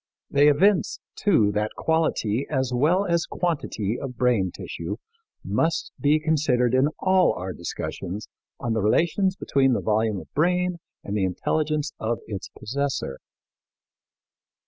They evince, too, that quality as well as quantity of brain tissue must be considered in all our discussions on the relations between the volume of brain and the intelligence of its possessor.